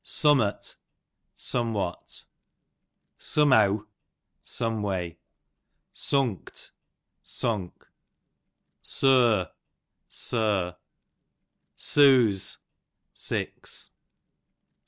Sumniot, somewhat. Sumheaw, some way. Sunk'd, su7ik. Sur, sir. Suse, six.